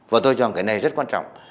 và tôi chọn cái này rất quan trọng